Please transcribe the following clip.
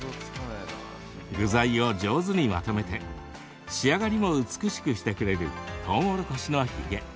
具材を上手にまとめて仕上がりも美しくしてくれるとうもろこしのヒゲ。